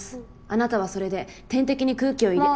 あなたはそれで点滴に空気を入れ。